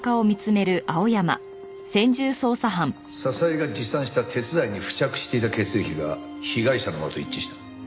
笹井が持参した鉄材に付着していた血液が被害者のものと一致した。